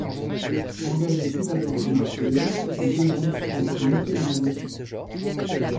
Engagé tout d’abord comme artilleur, il demande à être muté dans l’aviation.